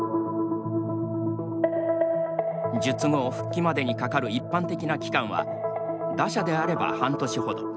術後復帰までにかかる一般的な期間は打者であれば半年ほど。